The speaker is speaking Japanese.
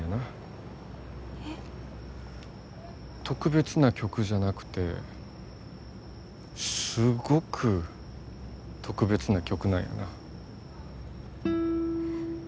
特別な曲じゃなくてすごく特別な曲なんやな。